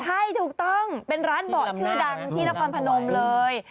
ใช่ถูกต้องเป็นร้านเบาะชื่อดังที่นครพนมเลย